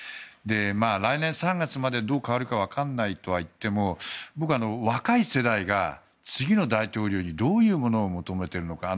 来年３月までどう変わるかわからないとはいっても僕は若い世代が、次の大統領にどういうものを求めているのか。